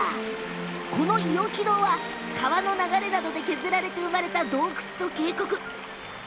この伊尾木洞は川の流れなどで削られて生まれた洞窟と渓谷です。